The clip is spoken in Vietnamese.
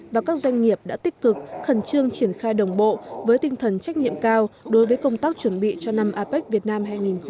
và các doanh nghiệp đã tích cực khẩn trương triển khai đồng bộ với tinh thần trách nhiệm cao đối với công tác chuẩn bị cho năm apec việt nam hai nghìn hai mươi